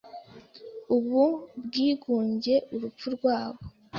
Ubu bwigunge, urupfu rwabwo;